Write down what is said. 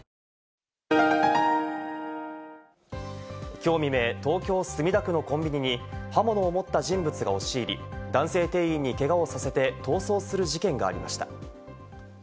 きょう未明、東京・墨田区のコンビニに刃物を持った人物が押し入り、男性店員にけがをさせて逃走する事件がありました。